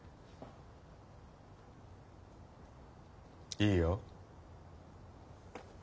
いいよ。